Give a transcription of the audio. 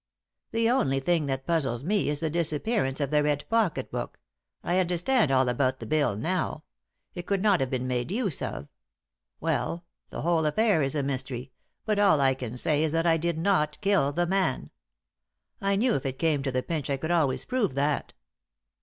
The only thing that puzzles me is the disappearance of the red pocket bock. I understand all about the bill now; it could not have been made use of. Well, the whole affair is a mystery, but all I can say is that I did not kill the man. I knew if it came to the pinch I could always prove that."